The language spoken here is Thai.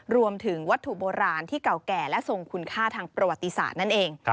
รวมถึงวัตถุโบราณที่เก่าแก่และทรงคุณค่าทางประวัติศาสตร์นั่นเอง